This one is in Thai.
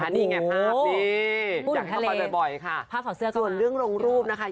คุณผู้ถึงทะเลภาษาเชื้อก่อนนะคู่ว่าเรื่องลงรูปนะครับ